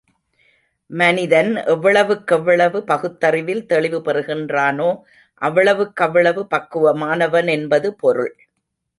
மனிதன் எவ்வளவுக்கெவ்வளவு பகுத்தறிவில் தெளிவு பெறுகின்றானோ அவ்வளவுக்கவ்வளவு பக்குவமானவன் என்பது பொருள்.